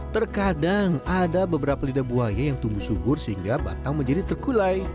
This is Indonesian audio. terkadang ada beberapa lidah buaya yang tumbuh subur sehingga batang menjadi terkulai